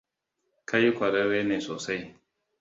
Kai kwararre ne sosai.